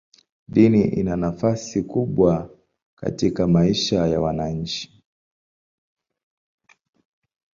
Dini ina nafasi kubwa katika maisha ya wananchi.